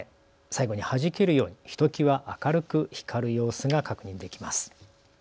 最後にはじけるようにひときわ明るく光る様子が確認できます。